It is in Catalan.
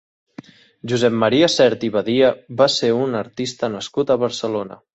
Josep Maria Sert i Badia va ser un artista nascut a Barcelona.